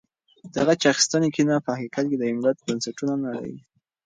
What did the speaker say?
د غچ اخیستنې کینه په حقیقت کې د یو ملت بنسټونه نړوي.